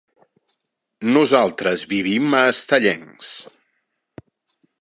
Nosaltres vivim a Estellencs.